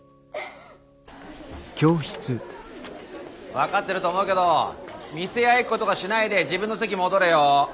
分かってると思うけど見せ合いっことかしないで自分の席戻れよ。